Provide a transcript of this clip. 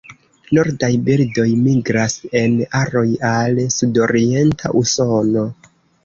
Nordaj birdoj migras en aroj al sudorienta Usono.